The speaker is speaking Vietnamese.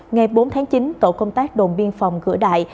ngày bốn tháng chín tổ công tác đồn biên phòng cửa đại